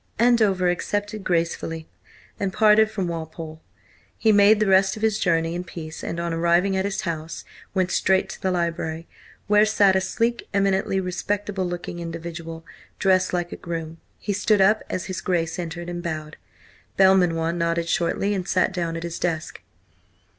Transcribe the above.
Andover accepted gracefully and parted from Mr. Walpole. He made the rest of his journey in peace, and on arriving at his house, went straight to the library, where sat a sleek, eminently respectable looking individual, dressed like a groom. He stood up as his Grace entered, and bowed. Belmanoir nodded shortly and sat down at his desk.